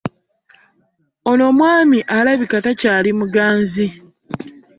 Ono omwami alabika takyali muganzi.